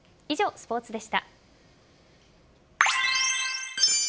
以上、スポーツでした。